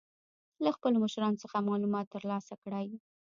له خپلو مشرانو څخه معلومات تر لاسه کړئ.